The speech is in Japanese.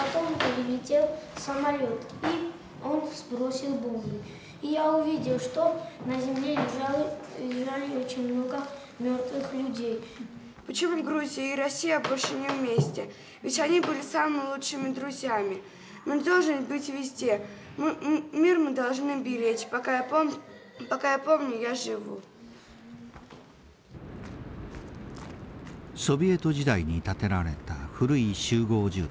ソビエト時代に建てられた古い集合住宅。